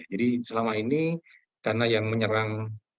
jadi selama ini karena yang menyerang